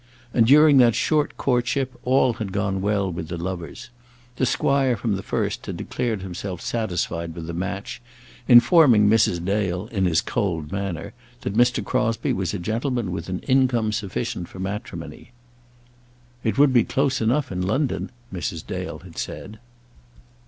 And during that short courtship all had gone well with the lovers. The squire from the first had declared himself satisfied with the match, informing Mrs. Dale, in his cold manner, that Mr. Crosbie was a gentleman with an income sufficient for matrimony. "It would be close enough in London," Mrs. Dale had said.